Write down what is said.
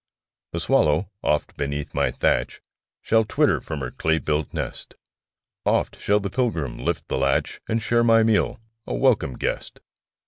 The swallow, oft, beneath my thatch, Shall twitter from her clay built nest; Oft shall the pilgrim lift the latch, And share my meal, a welcome guest.